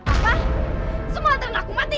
apa semua ternakku mati